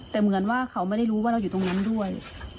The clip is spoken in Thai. แต่เหมือนว่าเขาไม่ได้รู้ว่าเราอยู่ตรงนั้นด้วย